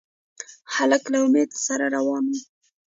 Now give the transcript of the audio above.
هلک له امید سره روان وي.